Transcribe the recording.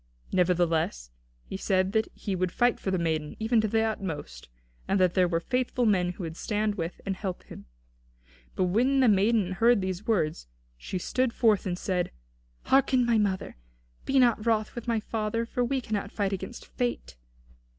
Nevertheless, he said that he would fight for the maiden, even to the utmost; and that there were faithful men who would stand with and help him. But when the maiden heard these words, she stood forth and said: "Hearken, my mother. Be not wroth with my father, for we cannot fight against Fate.